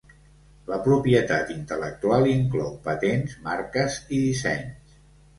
La propietat intel·lectual inclou patents, marques i dissenys